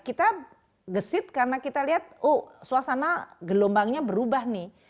kita gesit karena kita lihat oh suasana gelombangnya berubah nih